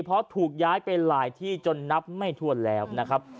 เพราะถูกย้ายไปหลายที่จนนับไม่ถ้วนแล้วนะครับ